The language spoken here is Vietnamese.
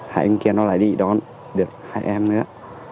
hai anh kia nó lại đi đón được hai em nữa